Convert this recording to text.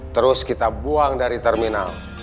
terus kita buang dari terminal